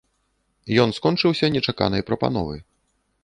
Ён скончыўся нечаканай прапановай.